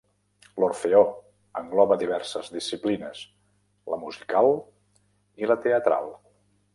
L'Orfeó engloba diverses disciplines, la musical i la teatral.